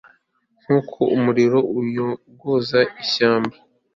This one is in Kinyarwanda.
nk'uko umuriro uyogoza ishyamba